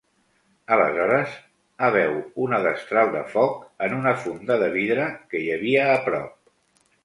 Aleshores, A veu una destral de foc en una funda de vidre que hi havia a prop.